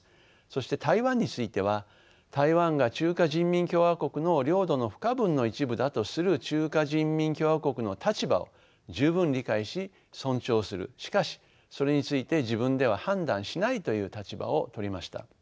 そして台湾については台湾が中華人民共和国の領土の不可分の一部だとする中華人民共和国の立場を十分理解し尊重するしかしそれについて自分では判断しないという立場を取りました。